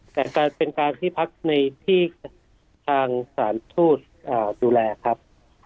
แต่เป็นการที่พักในที่ทางสถานทูตดูแลครับ